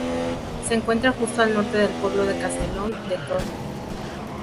Se encuentra justo al norte del pueblo de Castellón de Tor.